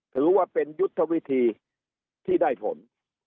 ถือว่าเป็นยุทธวิธีที่ได้ผล